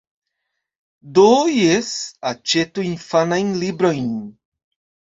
Do, jes. Aĉetu infanajn librojn.